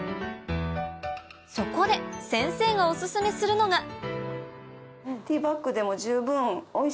そこで先生がお薦めするのが十分。